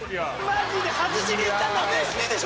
マジで外しに行ったんだって！